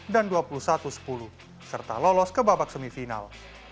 dua puluh satu sepuluh dan dua puluh satu sepuluh serta lolos ke babak semifinal